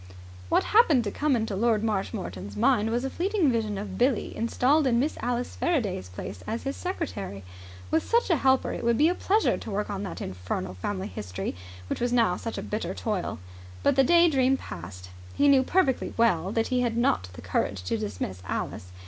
What happened to come into Lord Marshmoreton's mind was a fleeting vision of Billie installed in Miss Alice Faraday's place as his secretary. With such a helper it would be a pleasure to work on that infernal Family History which was now such a bitter toil. But the day dream passed. He knew perfectly well that he had not the courage to dismiss Alice.